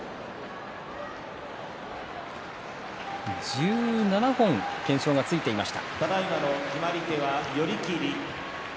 １７本懸賞がついていました。